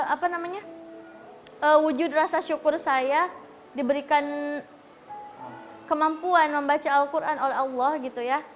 apa namanya wujud rasa syukur saya diberikan kemampuan membaca al quran oleh allah gitu ya